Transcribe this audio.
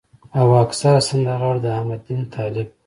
او اکثره سندرغاړو د احمد دين طالب